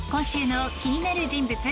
今週の気になる人物